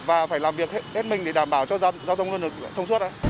và phải làm việc hết mình để đảm bảo cho giao thông luôn được thông suốt